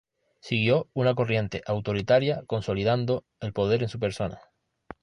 Siguió una corriente autoritaria, consolidando el poder en su persona.